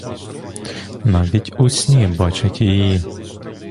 Навіть у сні бачить її.